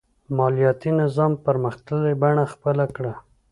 مالیاتي نظام پرمختللې بڼه خپله کړه.